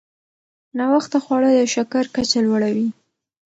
ناوخته خواړه د شکر کچه لوړوي.